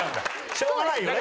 しょうがないよね。